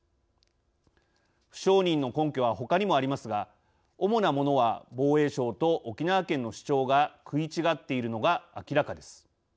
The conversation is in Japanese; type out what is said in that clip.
不承認の根拠はほかにもありますが主なものは防衛省と沖縄県の主張が食い違っているのが明らかです。